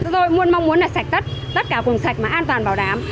tôi mong muốn là sạch tất tất cả cùng sạch mà an toàn bảo đảm